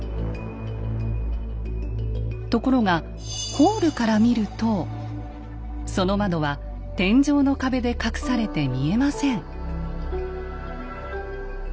ところがホールから見るとその窓は天井の壁で隠されて見えません。